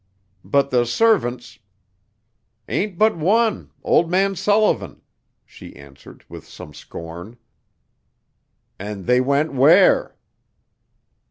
"But the servants " "Ain't but one old man Sullivan," she answered with some scorn. "And they went where?"